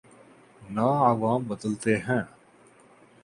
نہ عوام بدلتے ہیں۔